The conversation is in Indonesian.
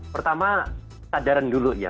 pertama sadaran dulu ya